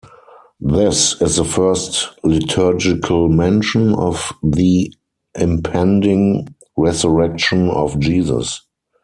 This is the first liturgical mention of the impending Resurrection of Jesus.